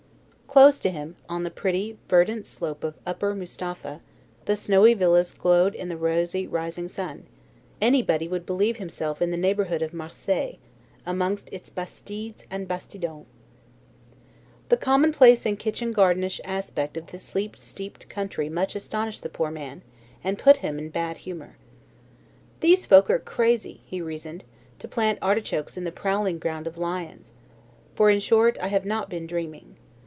Close to him, on the pretty verdant slope of Upper Mustapha, the snowy villas glowed in the rosy rising sun: anybody would believe himself in the neighbourhood of Marseilles, amongst its bastides and bastidons. The commonplace and kitchen gardenish aspect of this sleep steeped country much astonished the poor man, and put him in bad humour. "These folk are crazy," he reasoned, "to plant artichokes in the prowling ground of lions; for, in short, I have not been dreaming.